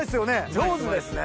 上手ですね。